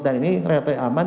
dan ini ternyata aman